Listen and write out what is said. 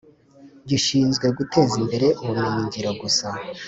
Gishinzwe Guteza imbere Ubumenyingiro gusa